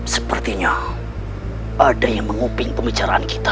sepertinya ada yang menguping pembicaraan kita